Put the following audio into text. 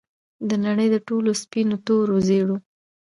د نړۍ د ټولو سپینو، تورو، زیړو